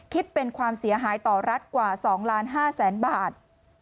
คิดเป็นความเสียหายต่อรัฐกว่า๒๕๐๐๐๐บาท